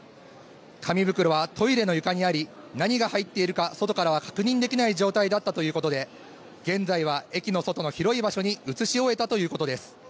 紙袋はトイレの床にあり、何が入っているか外からは確認できない状態だったということで、現在は駅の外の広い場所に移し終えたということです。